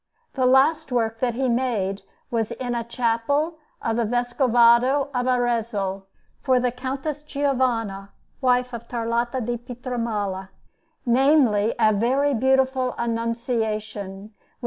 The last work that he made was in a chapel of the Vescovado of Arezzo, for the Countess Giovanna, wife of Tarlato da Pietramala namely, a very beautiful Annunciation, with S.